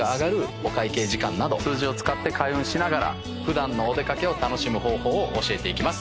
数字を使い開運しながら普段のお出掛けを楽しむ方法を教えていきます。